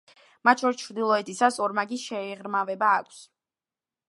მათ შორის ჩრდილოეთისას ორმაგი შეღრმავება აქვს.